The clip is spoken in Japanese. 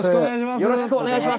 よろしくお願いします。